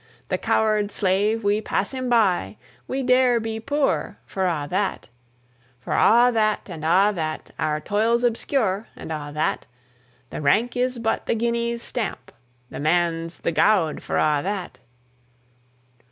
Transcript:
The coward slave, we pass him by, We dare be poor for a' that; For a' that, and a' that, Our toils obscure, and a' that; The rank is but the guinea's stamp, The man's the gowd for a' that!